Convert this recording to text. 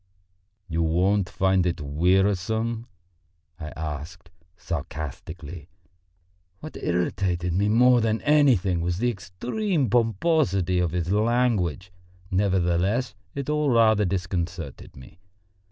"You won't find it wearisome?" I asked sarcastically. What irritated me more than anything was the extreme pomposity of his language. Nevertheless, it all rather disconcerted me.